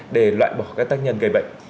để loại bỏ các tác nhân gây bệnh